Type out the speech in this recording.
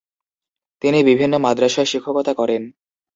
তিনি বিভিন্ন মাদ্রাসায় শিক্ষকতা করেন।